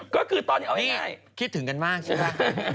ก็คือตอนนี้เอาง่ายคิดถึงกันมากใช่ไหม